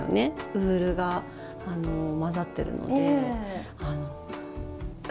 ウールが混ざってるので包まれてる